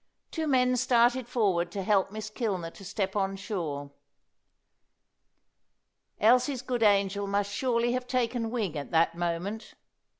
Two men started forward to help Miss Kilner to step on shore. Elsie's good angel must surely have taken wing at that moment.